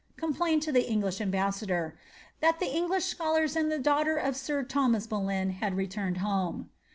complained to the English ambassador, ^ that the English scholars and the daughter of sir Thomas Boleyn had returned home."